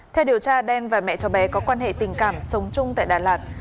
theo điều tra đen và mẹ cháu bé có quan hệ tình cảm sống chung tại đà lạt